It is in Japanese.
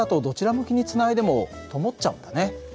向きにつないでもともっちゃうんだね。